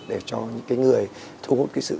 để cho những cái người thu hút cái sự